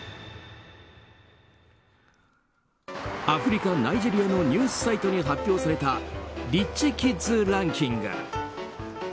アフリカ、ナイジェリアのニュースサイトに発表されたリッチキッズランキング。